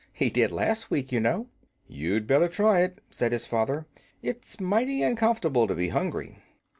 He did last week, you know." "You'd better try it," said his father; "it's mighty uncomfortable to be hungry."